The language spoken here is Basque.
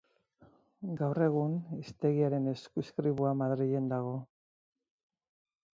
Gaur egun, hiztegiaren eskuizkribua Madrilen dago.